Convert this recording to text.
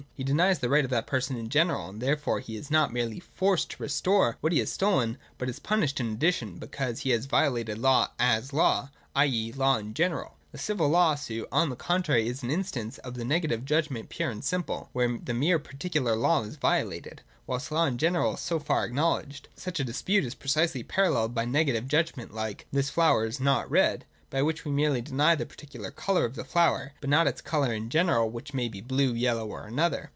He denies the right of that person in general, and therefore he is not merely forced to restore what he has stolen, but is punished in addition, be cause he has violated law as law, i. e. law in general. The civil law suit on the contrary is an instance of the negative judgment pure and simple where merely the particular law is violated, whilst law in general is so far acknowledged. Such a dispute is precisely paralleled by a negative judg ment, like, ' This flower is not red :' by which we merely deny the particular colour of the flower, but not its colour in general, which may be blue, yellow, or any other.